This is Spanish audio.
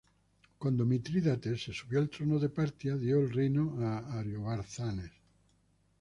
Cuando Mitrídates, se subió al trono de Partia, dio el reino a Ariobarzanes.